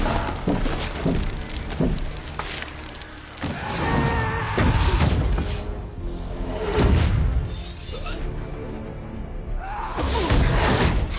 うっ！